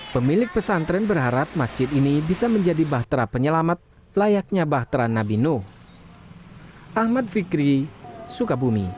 pemilik pesantren berharap masjid ini bisa menjadi bahtera penyelamat layaknya bahtera nabi nuh